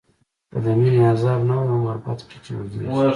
که د مینی عذاب نه وی، عمر بد کړی چی اوږدیږی